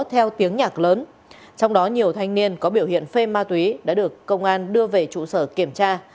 theo tiếng nhạc lớn trong đó nhiều thanh niên có biểu hiện phê ma túy đã được công an đưa về trụ sở kiểm tra